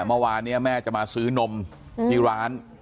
เมื่อวานนี้แม่จะมาซื้อนมที่ร้าน